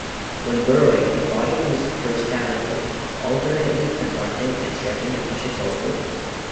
When burrowing, the body moves peristaltically, alternately contracting and stretching to push itself forward.